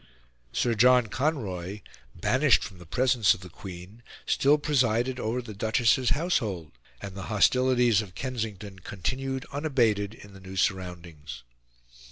Sir John Conroy, banished from the presence of the Queen, still presided over the Duchess's household, and the hostilities of Kensington continued unabated in the new surroundings.